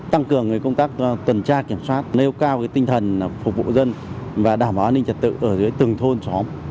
tăng cường công tác tuần tra kiểm soát nêu cao tinh thần phục vụ dân và đảm bảo an ninh trật tự ở dưới từng thôn xóm